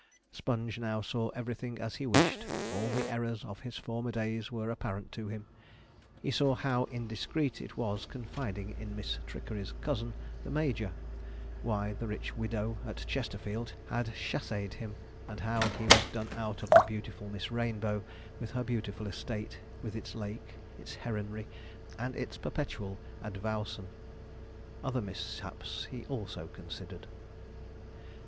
Sponge now saw everything as he wished. All the errors of his former days were apparent to him. He saw how indiscreet it was confiding in Miss Trickery's cousin, the major; why the rich widow at Chesterfield had chasséed him; and how he was done out of the beautiful Miss Rainbow, with her beautiful estate, with its lake, its heronry, and its perpetual advowson. Other mishaps he also considered.